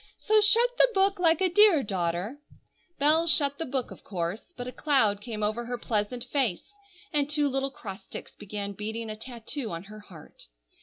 So shut the book, like a dear daughter!" Bell shut the book, of course; but a cloud came over her pleasant face, and two little cross sticks began beating a tattoo on her heart.